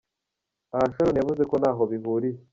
Aha Sharon yavuze ko ntaho bihuriye.